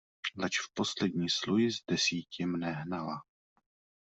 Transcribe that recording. Leč v poslední sluj z desíti mne hnala.